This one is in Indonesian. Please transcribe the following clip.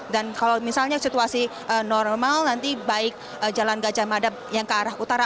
dan kalau misalnya situasi normal nanti baik jalan gajah mada yang ke arah utara